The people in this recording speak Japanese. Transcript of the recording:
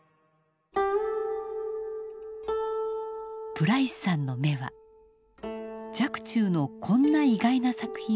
プライスさんの眼は若冲のこんな意外な作品も発掘しました。